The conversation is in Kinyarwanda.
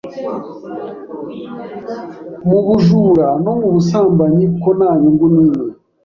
mu bujura no mu busambanyi ko nta nyungu n’imwe